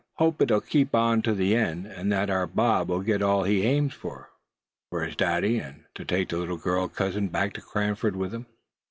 Hope it'll keep on to the end; and that our Bob will get all he aims for, find his daddy, and take the little girl cousin back to Cranford with him."